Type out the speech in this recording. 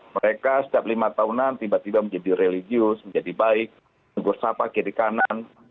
mereka setiap lima tahunan tiba tiba menjadi religius menjadi baik tegur sapa kiri kanan